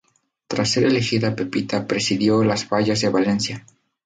Tras ser elegida Pepita presidió las Fallas de Valencia.